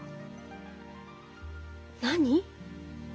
何？